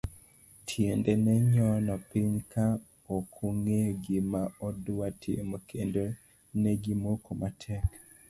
Tiende ne nyono piny ka okong'eyo gima odwa timo, kendo negi moko matek.